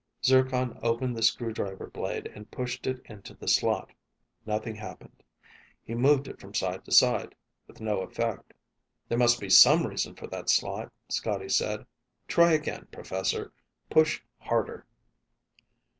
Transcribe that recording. Zircon opened the screwdriver blade and pushed it into the slot. Nothing happened. He moved it from side to side, with no effect. "There must be some reason for that slot," Scotty said. "Try again, professor. Push harder."